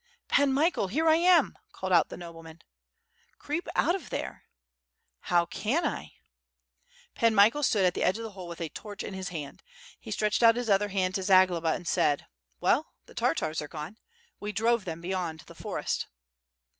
"Pan Michael, here I am!" called out the nobleman. "Creep out of there." "How can I?" Pan Michael stood at the edge of the hole with a torch in his hand. He stretched out his other hand to Zagloba, and said: "Well, the Tartars are gone. We drove them beyond the forest.